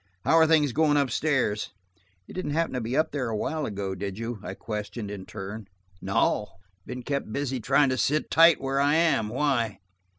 How are things going up stairs?" "You didn't happen to be up there a little while ago, did you?" I questioned in turn. "No, I've been kept busy trying to sit tight where I am. Why?"